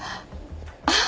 あっ。